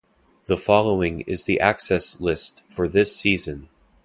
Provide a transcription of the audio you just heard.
The following is the access list for this season.